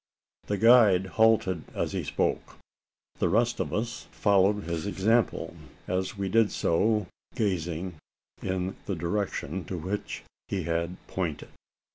The guide halted as he spoke. The rest of us followed his example as we did so, gazing in the direction to which he had pointed.